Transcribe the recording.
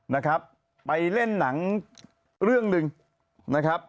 นะครับไปเล่นหนังเรื่องหนึ่งนะครับ